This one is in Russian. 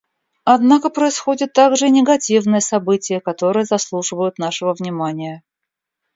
Однако происходят также и негативные события, которые заслуживают нашего внимания.